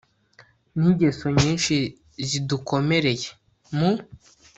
n'ingeso nyinshi zidukomereye, mu